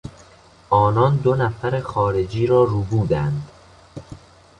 آنان دو نفر خارجی را ربودند.